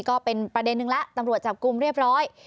ก็เป็นประเด็นนึงแล้วตำรวจจับกลุ่มเรียบร้อย